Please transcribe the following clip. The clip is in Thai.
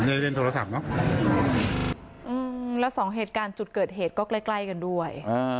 อืมใช้ด้วยโทรศัพท์เนอะอืมแล้วสองเหตุการณ์จุดเกิดเหตุก็ไกล่ไกลกันด้วย